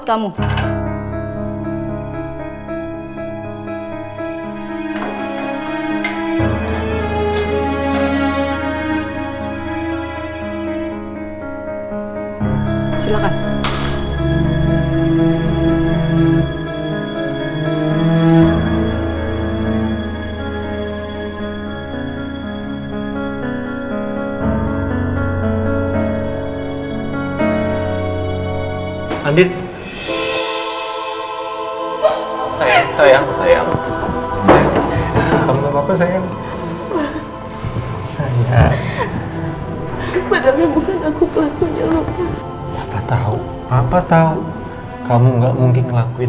apakah kamu gak mau mengakui